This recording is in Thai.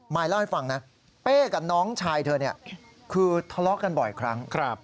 ยเล่าให้ฟังนะเป้กับน้องชายเธอคือทะเลาะกันบ่อยครั้ง